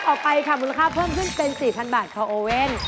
ออกไปค่ะมูลค่าเพิ่มขึ้นเป็น๔๐๐บาทคอลโอเว่น